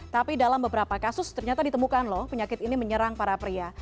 tapi dalam beberapa kasus ternyata ditemukan loh penyakit ini menyerang para pria